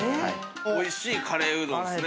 おいしいカレーうどんですね